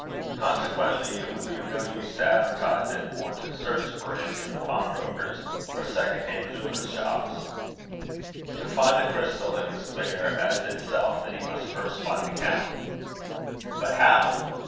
Consequently it would be of no use to advertise it, or to search for it in the pawnbrokers' or second hand jewellers' shops. To find the crystal, it was clear as itself that he must first find the count. But how?